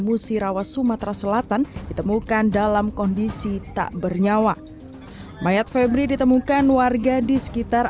musirawa sumatera selatan ditemukan dalam kondisi tak bernyawa mayat febri ditemukan warga di sekitar